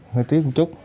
hơi tiếc một chút